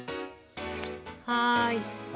はい。